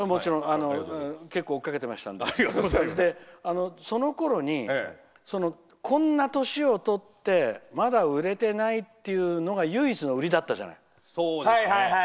結構、追っかけてましたのでそのころにこんな年をとってまだ売れてないっていうのが唯一の売りだったじゃない。